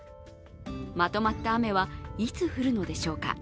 まとまった雨はいつ降るのでしょうか。